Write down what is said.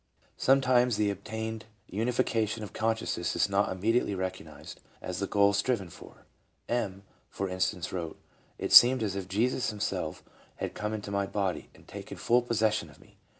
Sometimes the obtained unification of consciousness is not immediately recognized as the goal striven for. M., for in stance, wrote : "It seemed as if Jesus himself had come into my body, and taken full possession of me.